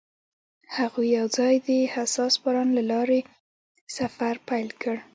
هغوی یوځای د حساس باران له لارې سفر پیل کړ.